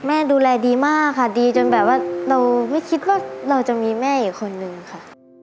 ดูแลดีมากค่ะดีจนแบบว่าเราไม่คิดว่าเราจะมีแม่อีกคนนึงค่ะ